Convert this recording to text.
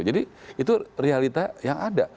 jadi itu realita yang ada